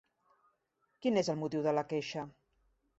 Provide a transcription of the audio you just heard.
Quin és el motiu de la queixa?